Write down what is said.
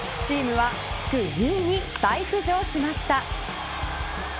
チームは地区２位に再浮上しました。